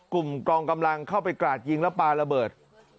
กองกำลังเข้าไปกราดยิงและปลาระเบิด